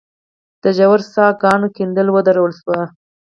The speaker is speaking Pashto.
د ژورو څاه ګانو کیندل ودرول شي.